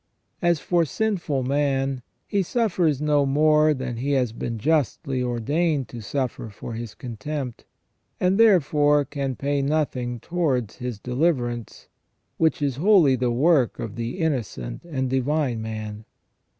As for sinful man, he suffers no more than he has been justly ordained to suffer for his contempt, and therefore can pay nothing towards his deliverance, which is wholly the work of the Innocent and Divine Man.